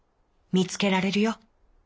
「みつけられるよ。